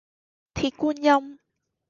鐵觀音